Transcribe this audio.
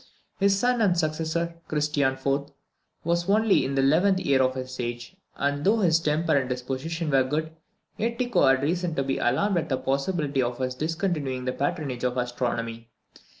His son and successor, Christian IV., was only in the 11th year of his age, and though his temper and disposition were good, yet Tycho had reason to be alarmed at the possibility of his discontinuing the patronage of astronomy.